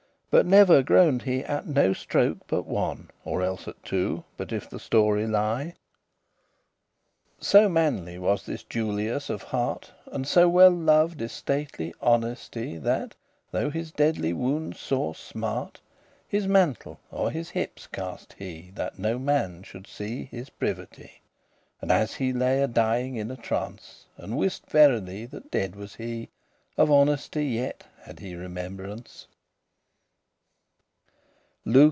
But never groan'd he at no stroke but one, Or else at two, *but if* the story lie. *unless So manly was this Julius of heart, And so well loved *estately honesty *dignified propriety* That, though his deadly woundes sore smart,* *pained him His mantle o'er his hippes caste he, That ne man shoulde see his privity And as he lay a dying in a trance, And wiste verily that dead was he, Of honesty yet had he remembrance.